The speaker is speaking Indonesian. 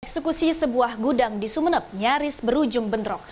eksekusi sebuah gudang di sumeneb nyaris berujung bentrok